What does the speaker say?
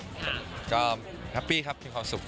แล้วก็ฮัปปี้ครับที่พอสุข